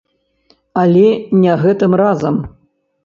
Але не гэтым разам.